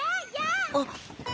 あっ！